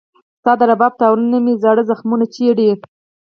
ستا د رباب تارونه مې زاړه زخمونه چېړي